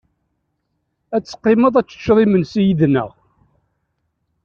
Ad teqqimeḍ ad teččeḍ imensi yid-neɣ.